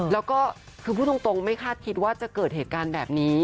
แล้วก็คือพูดตรงไม่คาดคิดว่าจะเกิดเหตุการณ์แบบนี้